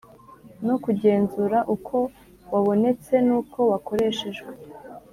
no kugenzura uko wabonetse n’uko wakoreshejwe;